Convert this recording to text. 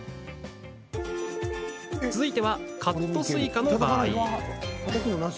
続いては、カットスイカの場合。